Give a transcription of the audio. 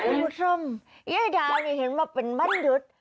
โอ้โฮส้มยายดาวนี่เห็นว่าเป็นวันหยุด